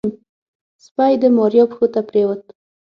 سپي د ماريا پښو ته پرېوت.